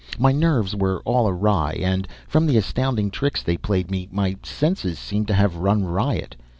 My nerves were all awry, and, from the astounding tricks they played me, my senses seemed to have run riot.